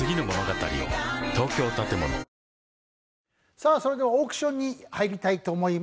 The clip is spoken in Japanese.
さあそれではオークションに入りたいと思います。